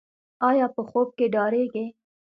ایا په خوب کې ډاریږي؟